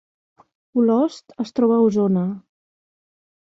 Olost es troba a Osona